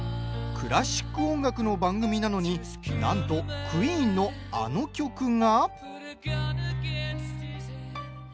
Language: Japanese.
クラシック音楽の番組なのになんとクイーンのあの曲が。